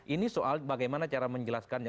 ini soal bagaimana cara menjelaskannya